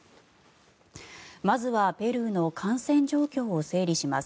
まずはペルーの感染状況を整理します。